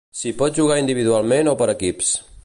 S'hi pot jugar individualment o per equips.